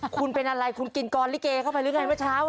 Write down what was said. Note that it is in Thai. คุณเป็นอะไรคุณกินกรรมอีเกช้าเข้าก็ไปหรือไง